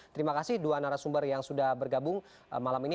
terima kasih dua narasumber yang sudah bergabung malam ini